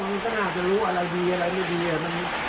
มันก็น่าจะรู้อะไรดีอะไรไม่ดี